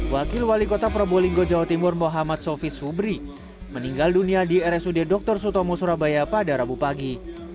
wakil wali kota probolinggo jawa timur muhammad sofis subri meninggal dunia di rsud dr sutomo surabaya pada rabu pagi